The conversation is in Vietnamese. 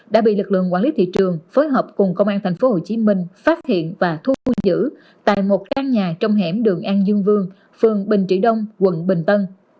đã bị lực lượng quản lý thị trường phối hợp cùng công an tp hcm phát hiện và thu giữ tại một căn nhà trong hẻm đường an dương vương phường bình trị đông quận bình tân